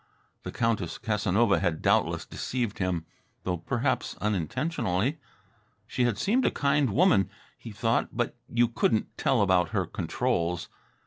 The Countess Casanova had doubtless deceived him, though perhaps unintentionally. She had seemed a kind woman, he thought, but you couldn't tell about her controls.